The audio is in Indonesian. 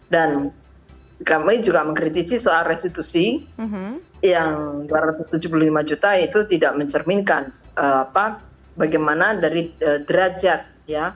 dan kami juga mengkritisi soal restitusi yang dua ratus tujuh puluh lima juta itu tidak mencerminkan bagaimana dari derajat ya